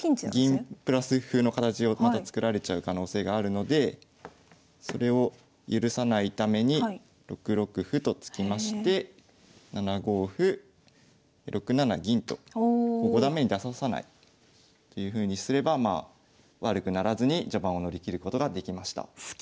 銀プラス歩の形をまた作られちゃう可能性があるのでそれを許さないために６六歩と突きまして７五歩６七銀ともう五段目に出させないというふうにすれば悪くならずに序盤を乗り切ることができました。